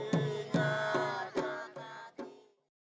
perjalanan ke wilayah sawang